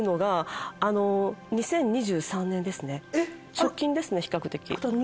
直近ですね比較的。